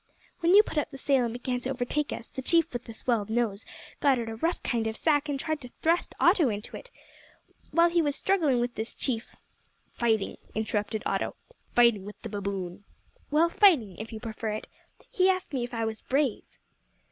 When you put up the sail and began to overtake us, the chief with the swelled nose got out a rough kind of sack and tried to thrust Otto into it. While he was struggling with this chief " "Fighting," interrupted Otto; "fighting with the baboon." "Well, fighting, if you prefer it he asked me if I was brave?"